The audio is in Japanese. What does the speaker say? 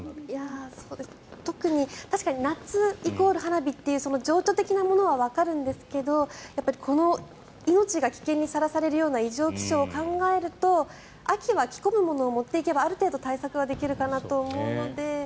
特に夏イコール花火という情緒的なものはわかるんですけどこの命が危険にさらされるような異常気象を考えると秋は着込むものを持っていけばある程度対策はできるかなと思うので。